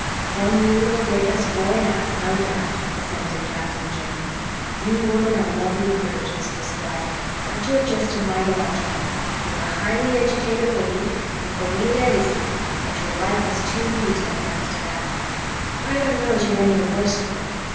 "Cornelia'll rake us fore and aft, no doubt," assented Captain Jim. "You women are lovely critters, Mistress Blythe, but you're just a mite illogical. You're a highly eddicated lady and Cornelia isn't, but you're like as two peas when it comes to that. I dunno's you're any the worse for it.